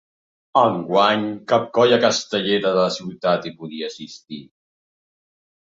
Enguany cap colla castellera de la ciutat hi podia assistir.